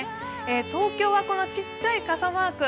東京はこのちっちゃい傘マーク。